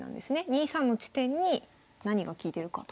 ２三の地点に何が利いてるかと。